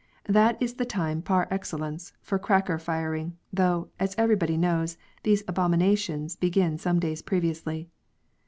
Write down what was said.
That is the time far excellence for cracker firing, though, as everybody knows, these abominations begin some days previously.